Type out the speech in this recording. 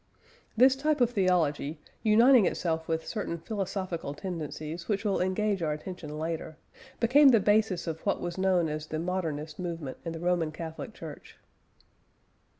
This type of theology, uniting itself with certain philosophical tendencies which will engage our attention later, became the basis of what was known as the Modernist movement in the Roman Catholic Church.